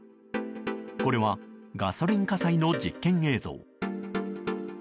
これはガソリン火災の実験映像。